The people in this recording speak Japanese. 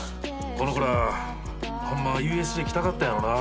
この子らホンマはＵＳＪ来たかったやろな。